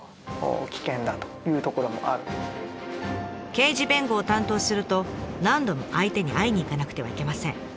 刑事弁護を担当すると何度も相手に会いに行かなくてはいけません。